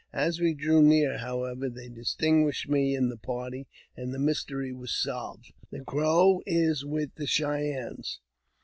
As we drew ne; however, they distinguished me in the party, and the myste was solved. " The Crow is with the Cheyennes."